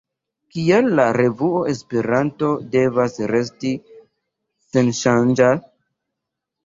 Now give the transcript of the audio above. Kial la revuo Esperanto devas resti senŝanĝa?